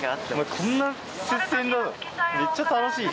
こんな接戦だろ、めっちゃ楽しい。